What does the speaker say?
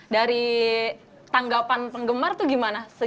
dari tanggapan penggemar tuh gimana